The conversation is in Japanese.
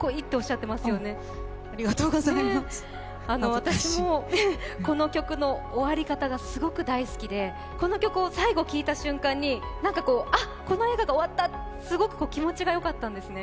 私もこの曲の終わり方がすごく大好きでこの曲を最後聴いた瞬間にあっ、この映画が終わった、すごく気持ちがよかったんですね。